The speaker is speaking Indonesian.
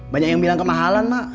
banyak yang bilang kemahalan mak